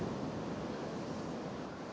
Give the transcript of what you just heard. ini gak adil buat kamu bis